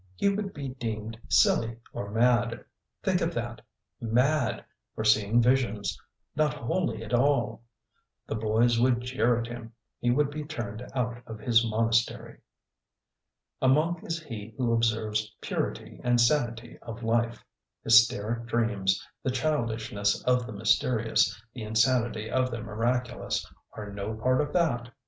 He would be deemed silly or mad; think of that mad for seeing visions, not holy at all! The boys would jeer at him; he would be turned out of his monastery. A monk is he who observes purity and sanity of life. Hysteric dreams, the childishness of the mysterious, the insanity of the miraculous, are no part of that.